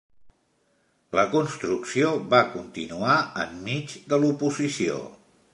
La construcció va continuar enmig de l'oposició.